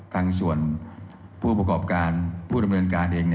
ทางส่วนผู้ประกอบการผู้ดำเนินการเอง